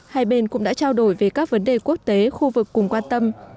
hai bên cũng đã trao đổi về các vấn đề quốc tế khu vực cùng quan tâm